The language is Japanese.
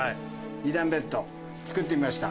２段ベッド作ってみました。